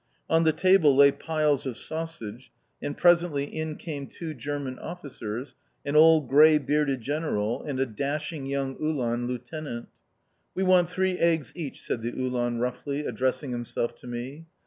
On the table lay piles of sausage, and presently in came two German officers, an old grey bearded General, and a dashing young Uhlan Lieutenant. "We want three eggs each," said the Uhlan roughly, addressing himself to me.